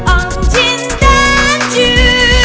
om jin dan jun